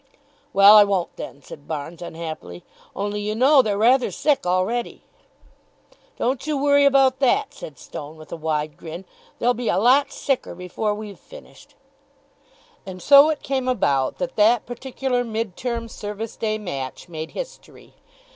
"Well, I won't then," said Barnes unhappily. "Only you know they're rather sick already." "Don't you worry about that," said Stone with a wide grin. "They'll be a lot sicker before we've finished." And so it came about that that particular Mid term Service day match made history.